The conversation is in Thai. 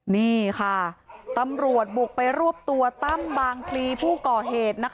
นี่ค่ะตำรวจบุกไปรวบตัวตั้มบางพลีผู้ก่อเหตุ